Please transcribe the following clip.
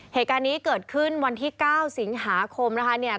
เหตุการณ์นี้เกิดขึ้นวันที่๙สิงหาคมนะคะเนี่ย